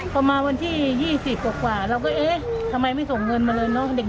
พอมาวันที่๒๐กว่าเราก็เอ๊ะทำไมไม่ส่งเงินมาเลยเนอะ